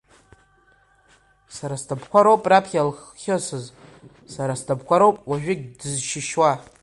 Сара снапқәа роуп раԥхьа илхьысыз, сара снапқәа роуп уажәыгьы дызшьышьуа…